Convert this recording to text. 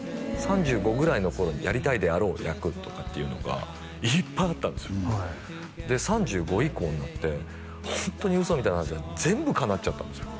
３５ぐらいの頃にやりたいであろう役とかっていうのがいっぱいあったんですよで３５以降になってホントに嘘みたいな話全部かなっちゃったんですよ